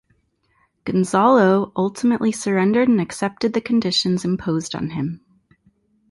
Gonzalo ultimately surrendered and accepted the conditions imposed on him.